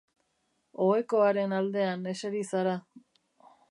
Oheko haren aldean eseri zara.